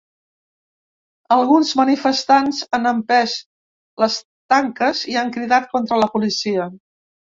Alguns manifestants han empès les tanques i han cridat contra la policia.